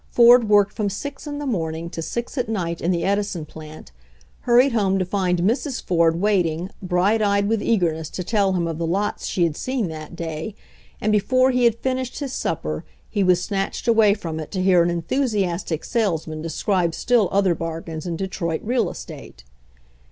Ford worked from six in the morning to six at night in the Edison plant, hurried home to find Mrs. Ford waiting, bright eyed with eagerness to tell him of the lots she had seen that day, and before he had finished his supper he was snatched away from it to hear an enthusiastic salesman describe still other bargains in Detroit real estate.